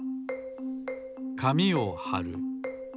かみをはる。